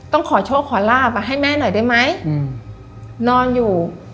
ต้องขอโชคขอลาบให้แม่หน่อยได้ไหมนอนอยู่